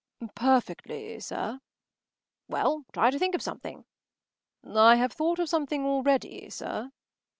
” “Perfectly, sir.” “Well, try to think of something.” “I have thought of something already, sir.